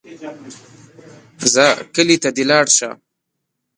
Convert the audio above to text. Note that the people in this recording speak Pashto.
ځه کلي ته دې لاړ شه.